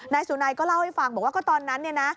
นายสุนัยก็เล่าให้ฟังบอกว่าก็ตอนนั้นเนี่ยนะ